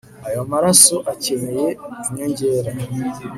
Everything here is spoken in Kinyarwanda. ayo maraso akeneye inyongera